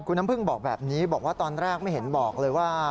คุณน้ำพึ่งบอกแบบนี้บอกว่าตอนแรกไม่เห็นบอกเลยว่า